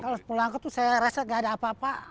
kalau polanco tuh saya rasa gak ada apa apa